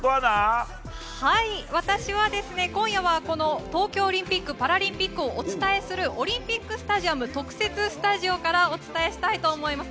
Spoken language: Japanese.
私は今夜は東京オリンピック・パラリンピックをお伝えするオリンピックスタジアム特設スタジオからお伝えしたいと思います。